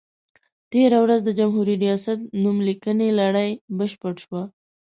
تېره ورځ د جمهوري ریاست نوم لیکنې لړۍ بشپړه شوه.